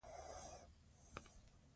مننه.